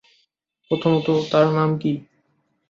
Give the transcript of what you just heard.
প্রথমত, তার নাম কী?